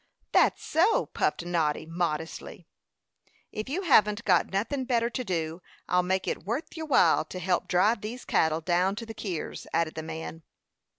"That's so," puffed Noddy, modestly. "If you haven't got nothin' better to do, I'll make it wuth your while to help drive these cattle down to the keers," added the man.